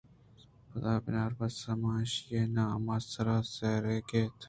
پدا بناربس! من ءَ ایشی ءِ نام ءِ سرا زہر کیت